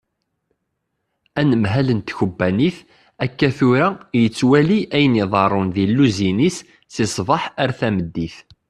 Anemhal n tkebbanit akka tura yettwali ayen iḍerrun di lluzin-is si sbeḥ ar tmeddit.